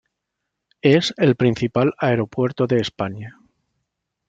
Es el principal aeropuerto de España.